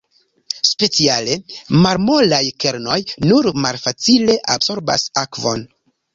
Speciale malmolaj kernoj nur malfacile absorbas akvon.